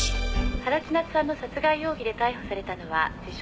「原千夏さんの殺害容疑で逮捕されたのは自称